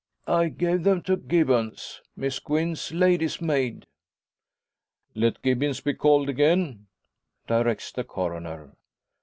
"I gave them to Gibbons, Miss Gwen's lady's maid." "Let Gibbons be called again!" directs the Coroner.